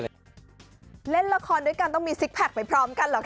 เล่นละครด้วยกันต้องมีซิกแพคไปพร้อมกันเหรอคะ